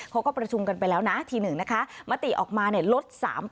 เขาก็ประชุมกันไปแล้วนะทีหนึ่งนะคะมติออกมาลด๓